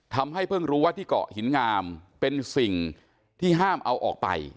เพิ่งรู้ว่าที่เกาะหินงามเป็นสิ่งที่ห้ามเอาออกไป